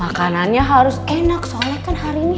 makanannya harus enak soalnya kan hari ini